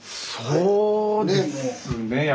そうですね。